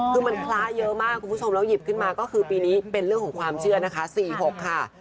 คือมันคละเยอะมากคุณผู้ชมแล้วหยิบขึ้นมาก็คือปีนี้เป็นเรื่องของความเชื่อนะคะ๔๖ค่ะ